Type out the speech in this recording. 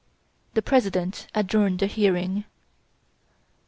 The President adjourned the hearing.